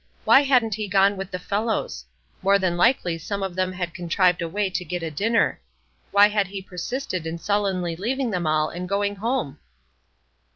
Why hadn't he gone with the fellows? More than likely some of them had contrived a way to get a dinner. Why had he persisted in sullenly leaving them all and going home?